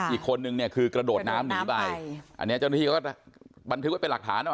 อีกคนนึงเนี่ยคือกระโดดน้ำหนีไปอันนี้เจ้าหน้าที่เขาก็บันทึกไว้เป็นหลักฐานอ่ะ